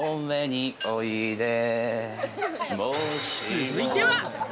続いては。